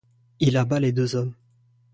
Il abat les deux hommes.